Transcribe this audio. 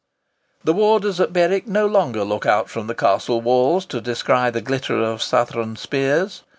The warders at Berwick no longer look out from the castle walls to descry the glitter of Southron spears.